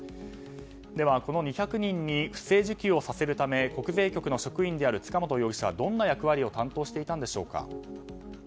では、この２００人に不正受給をさせるために国税局の職員である塚本容疑者は、どんな役割を担当していたんでしょうか。